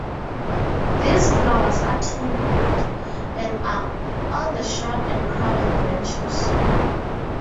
These flowers are two-lipped, and are on the short and crowded branches.